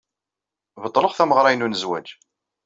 Beṭleɣ tameɣra-inu n zzwaj.